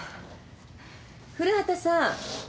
古畑さん。